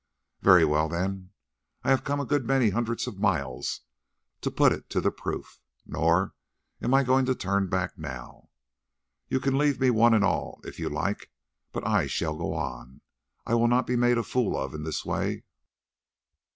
"Very well, then, I have come a good many hundred miles to put it to the proof, nor am I going to turn back now. You can leave me one and all if you like, but I shall go on. I will not be made a fool of in this way."